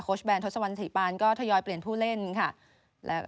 โบสถ์แบรนด์ทศวรรษศรีปานก็ทยอยเปลี่ยนผู้เล่นค่ะและ